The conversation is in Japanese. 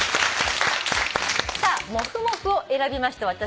さあ「もふもふ」を選びました